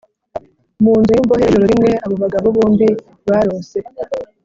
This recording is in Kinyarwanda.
mu nzu y imbohe Ijoro rimwe abo bagabo bombi barose